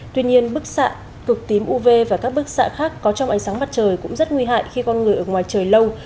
tuy nhiên bức xạ cực tím uv và các bức xạ khác có trong ánh sáng mặt trời cũng rất nguy hại khi con người ở ngoài trời lâu